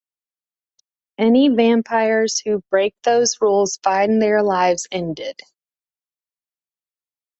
Any vampires who break those rules find their lives ended.